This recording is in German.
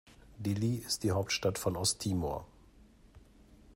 Dili ist die Hauptstadt von Osttimor.